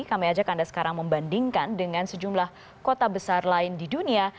kami ajak anda sekarang membandingkan dengan sejumlah kota besar lain di dunia